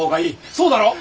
そうだろう？